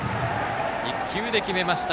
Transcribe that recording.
１球で決めました